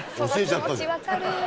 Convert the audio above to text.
その気持ち分かる。